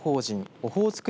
オホーツク